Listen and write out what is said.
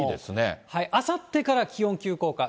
あさってから、気温、急降下。